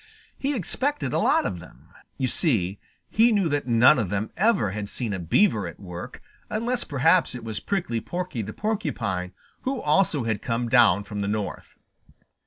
He expected a lot of them. You see, he knew that none of them ever had seen a Beaver at work unless perhaps it was Prickly Porky the Porcupine, who also had come down from the North.